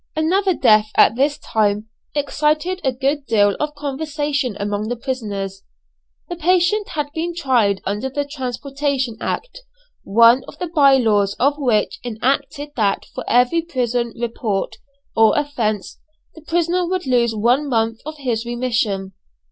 Another death at this time excited a good deal of conversation among the prisoners. The patient had been tried under the Transportation Act, one of the bye laws of which enacted that for every prison "report," or offence, the prisoner would lose one month of his remission.